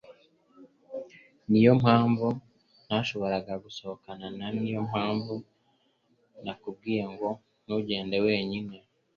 Niyo mpamvu ntashakaga gusohokana na Niyo mpamvu nakubwiye ngo ntugende wenyine.